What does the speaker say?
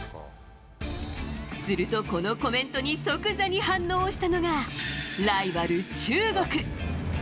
すると、このコメントに即座に反応したのがライバル、中国。